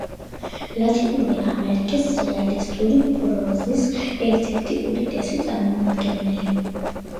ლათინური ამერიკის რეალისტური პროზის ერთ-ერთი უდიდესი წარმომადგენელი.